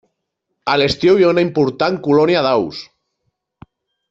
A l'estiu hi ha una important colònia d'aus.